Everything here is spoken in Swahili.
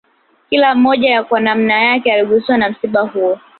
Kila mmoja kwa nanma yake aliguswa na msiba huo